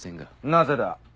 なぜだ？